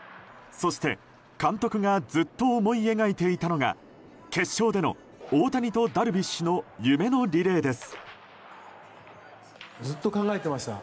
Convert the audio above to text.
そして、監督がずっと思い描いていたのが決勝での、大谷とダルビッシュの夢のリレーです。